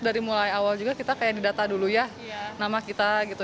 dari mulai awal juga kita kayak didata dulu ya nama kita gitu